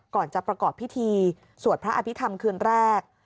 ก่อนจะประกอบพิธีสวดพระอภิษฐรรมคืนแรก